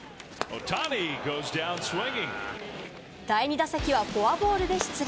第２打席はフォアボールで出塁。